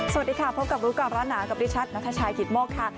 สวัสดีค่ะพบกับรุ๊ปก่อนร้านหนากับดิชัฐณ์นัทชัยกิตโม้คค่ะ